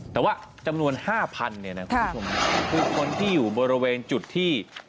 แต่ว่าจำนวน๕๐๐เนี่ยนะคุณผู้ชมคือคนที่อยู่บริเวณจุดที่